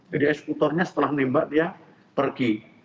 jadi eskutornya setelah nembak dia pergi